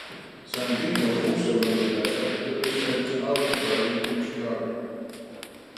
Sandino also wrote a letter that was sent to Al Capone in Chicago.